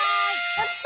やった！